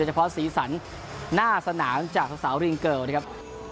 เฉพาะสีสันหน้าสนามจากสาวริงเกิลนะครับ